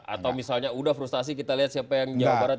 atau misalnya udah frustasi kita lihat siapa yang jawa barat